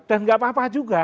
dan tidak apa apa juga